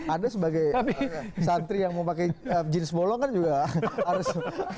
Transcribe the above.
anda sebagai santri yang mau pakai jenis bolong kan juga harus